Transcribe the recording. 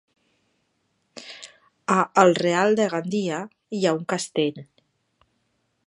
A el Real de Gandia hi ha un castell?